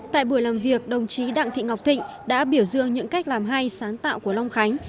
tại buổi làm việc đồng chí đặng thị ngọc thịnh đã biểu dương những cách làm hay sáng tạo của long khánh